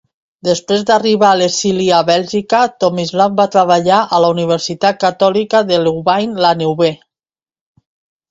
Després d'arribar a l'exili a Bèlgica, Tomislav va treballar a la Universitat Catòlica de Louvain-la-Neuve.